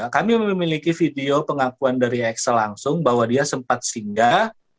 kami memiliki video pengakuan dari excel langsung bahwa dia sempat singgah